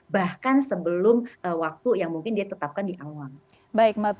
bahkan sebelum waktu yang mungkin dia tetapkan di awal